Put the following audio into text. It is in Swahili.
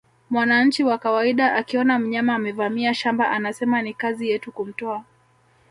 Mwananchi wa kawaida akiona mnyama amevamia shamba anasema ni kazi yetu kumtoa